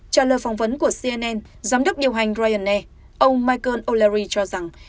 trả lời phỏng vấn của cnn giám đốc điều hành ryanair ông michael o leary cho rằng